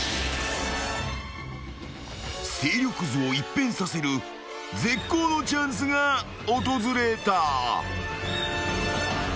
［勢力図を一変させる絶好のチャンスが訪れた］